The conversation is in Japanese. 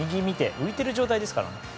浮いている状態ですからね。